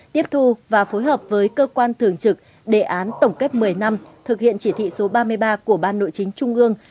tiếp thu và phối hợp với cơ quan thường trực đề án tổng kết một mươi năm thực hiện chỉ thị số ba mươi ba của ban nội chính trung ương